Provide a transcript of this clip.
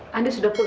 tante sudah pulang